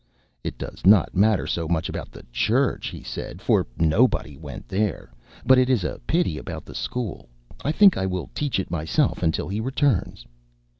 "It does not matter so much about the church," he said, "for nobody went there; but it is a pity about the school. I think I will teach it myself until he returns."